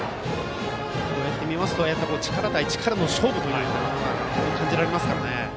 こうやって見ますと力対力の勝負を感じられますからね。